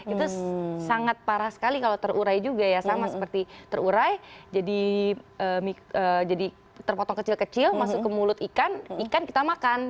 itu sangat parah sekali kalau terurai juga ya sama seperti terurai jadi terpotong kecil kecil masuk ke mulut ikan ikan kita makan